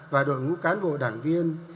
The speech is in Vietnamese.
và đội ngũ cán bộ đảng viên